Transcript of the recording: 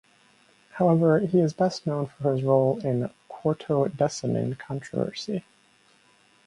However, he is best known for his role in the Quartodeciman controversy.